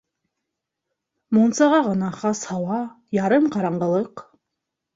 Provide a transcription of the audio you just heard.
Мунсаға ғына хас һауа, ярым ҡараңғылыҡ...